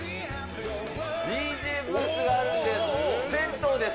ＤＪブースがあるんです。